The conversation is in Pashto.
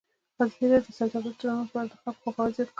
ازادي راډیو د سوداګریز تړونونه په اړه د خلکو پوهاوی زیات کړی.